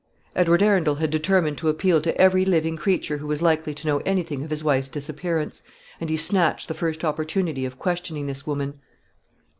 Edward Arundel had determined to appeal to every living creature who was likely to know anything of his wife's disappearance, and he snatched the first opportunity of questioning this woman.